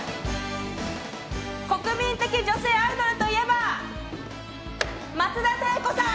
国民的女性アイドルといえば松田聖子さん！